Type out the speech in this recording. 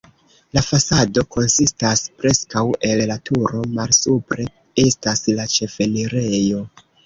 La fasado konsistas preskaŭ el la turo, malsupre estas la ĉefenirejo.